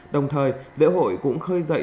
đồng thời lễ hội cũng khơi dậy